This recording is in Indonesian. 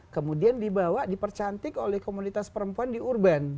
kemudian dibawa dipercantik oleh komunitas perempuan di urban